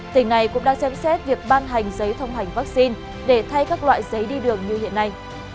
tỉnh này cũng đang xem xét việc ban hành giấy thông hành vaccine để thay các loại giấy đi đường như hiện nay